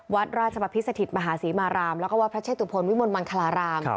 วัดราชบพิษสถิตมหาศรีมารามแล้วก็วัดพระเชตุพลวิมลมังคลาราม